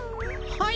はい。